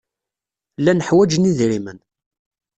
Llan ḥwajen idrimen.